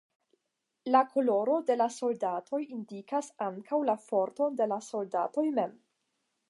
La koloro de la soldatoj indikas ankaŭ la forton de la soldatoj mem.